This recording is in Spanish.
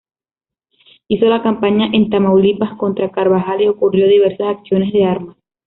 Hizo la campaña en Tamaulipas contra Carbajal, y concurrió a diversas acciones de armas.